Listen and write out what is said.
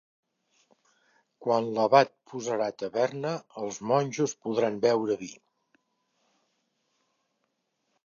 Quan l'abat posarà taverna, els monjos podran beure vi.